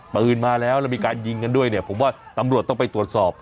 ปืนมาแล้วแล้วมีการยิงกันด้วยเนี่ยผมว่าตำรวจต้องไปตรวจสอบ